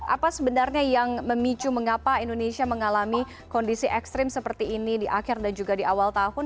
apa sebenarnya yang memicu mengapa indonesia mengalami kondisi ekstrim seperti ini di akhir dan juga di awal tahun